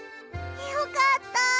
よかった。